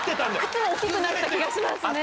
靴も大っきくなった気がしますね。